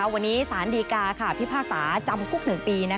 วันนี้สารดีกาพิพากษาจำคุก๑ปี